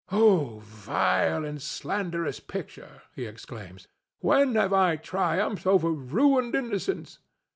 "Oh, vile and slanderous picture!" he exclaims. "When have I triumphed over ruined innocence?